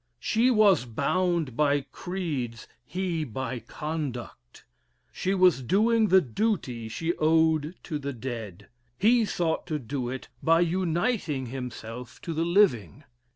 She was bound by creeds he by conduct. She was doing the duty she owed to the dead. He sought to do it by uniting himself to the living.